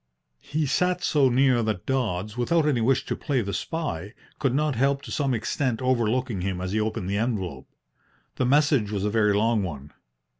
He sat so near that Dodds, without any wish to play the spy, could not help to some extent overlooking him as he opened the envelope. The message was a very long one.